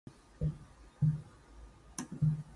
Most pesticides work by poisoning pests.